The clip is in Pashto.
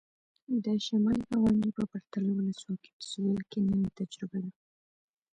د شمالي ګاونډي په پرتله ولسواکي په سوېل کې نوې تجربه ده.